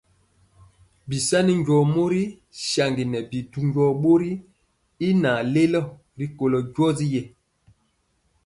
Bisani njɔɔ mori saŋgi nɛ bi du njɔɔ bori y naŋ lelo rikolo njɔɔtyi.